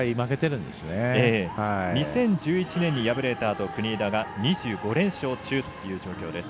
２０１１年に敗れたあと国枝が２５連勝中という状況です。